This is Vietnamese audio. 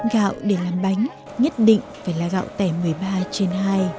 gạo để làm bánh nhất định phải là gạo tẻ một mươi ba trên hai